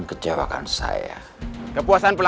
kekun betty ibu guru